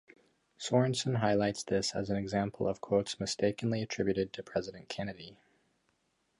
Sorensen highlights this as an example of quotes mistakenly attributed to President Kennedy.